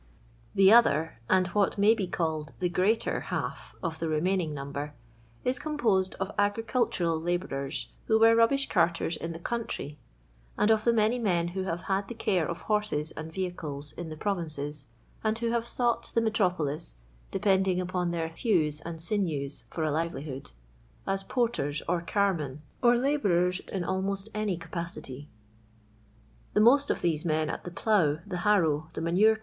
The other, and what may be called the greater half of the remaining number, is com postMi of agricultural labourers who were rubbish carters in the country, and of the many men who have had the c^ire of horses and vehicles in the provinces, and who have sought the me tropolis, depending iipou their thews and aiuews for a livelihood, as porters, or ciirroen, or labourers in almost any capacity. The most of these men at the plough, the harrow, the manure c